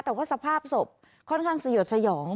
แต่ว่าสภาพศพค่อนข้างสยดสยอง